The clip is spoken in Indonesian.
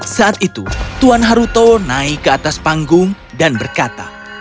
saat itu tuan haruto naik ke atas panggung dan berkata